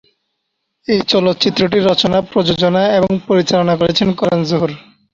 এই চলচ্চিত্রটি রচনা, প্রযোজনা এবং পরিচালনা করেছেন করণ জোহর।